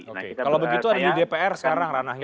oke kalau begitu ada di dpr sekarang ranahnya